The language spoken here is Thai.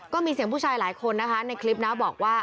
ก็มีเสียงผู้ชายหลายคนนะคะในคลิปนะบอกว่า